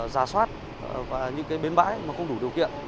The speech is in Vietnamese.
giả soát và những cái bến bãi mà không đủ điều kiện